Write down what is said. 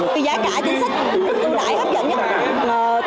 giá trả chính sách ưu đại hấp dẫn nhất